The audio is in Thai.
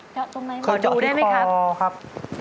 จอกตรงไหนบ้างครับคือเจาะที่คอครับขอดูได้ไหมครับ